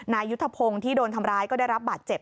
นายยุทธพงศ์ที่โดนทำร้ายก็ได้รับบาดเจ็บ